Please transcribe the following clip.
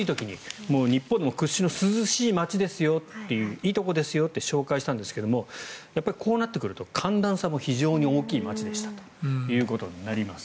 非常に暑い時に日本でも屈指の涼しい街ですよいいところですよと紹介したんですがやっぱりこうなってくると寒暖差も非常に大きい街でしたということになります。